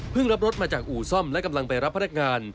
รับรถมาจากอู่ซ่อมและกำลังไปรับพนักงาน